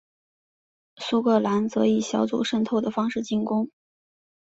苏格兰则以小组渗透的方式进攻。